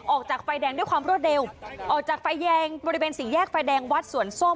ออกจากไฟแดงด้วยความรวดเร็วออกจากไฟแยงบริเวณสี่แยกไฟแดงวัดสวนส้ม